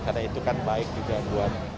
karena itu kan baik juga buat